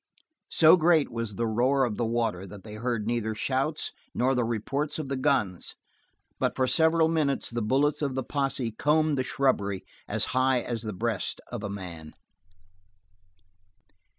So great was the roar of the water that they heard neither shouts nor the reports of the guns, but for several minutes the bullets of the posse combed the shrubbery as high as the breast of a man.